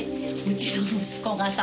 うちの息子がさ